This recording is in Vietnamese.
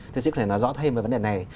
thế sĩ có thể nói rõ thêm về vấn đề này